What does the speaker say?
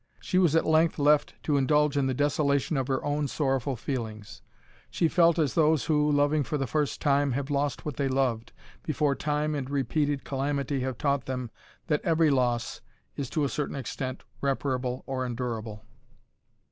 She was at length left to indulge in the desolation of her own sorrowful feelings. She felt as those who, loving for the first time, have lost what they loved, before time and repeated calamity have taught them that every loss is to a certain extent reparable or endurable.